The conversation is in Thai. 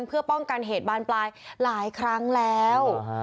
เพื่อป้องกันเหตุบานปลายหลายครั้งแล้ว